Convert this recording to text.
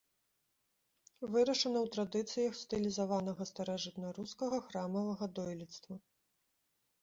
Вырашана ў традыцыях стылізаванага старажытнарускага храмавага дойлідства.